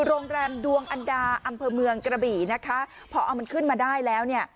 โรงแรมดวงอันดาอำเภอเมืองกระบี่นะคะพอเอามันขึ้นมาได้แล้วเนี่ย